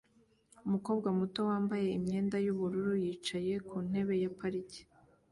Umukobwa muto wambaye imyenda yubururu yicaye ku ntebe ya parike